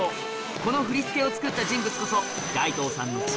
この振り付けを作った人物こそ大東さんの父